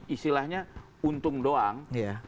isilahnya untung doang